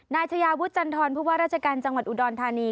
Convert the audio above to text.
นายทยาวุทธ์จันทรพว่าราชการจังหวัดอุดอลธานี